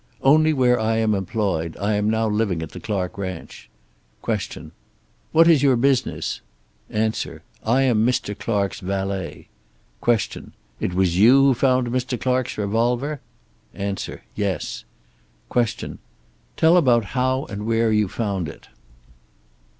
"Only where I am employed. I am now living at the Clark ranch." Q. "What is your business?" A. "I am Mr. Clark's valet." Q. "It was you who found Mr. Clark's revolver?" A. "Yes." Q. "Tell about how and where you found it."